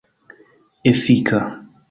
efika